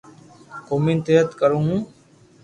گومين تيرٿ ڪرو ھون